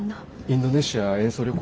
「インドネシア演奏旅行」？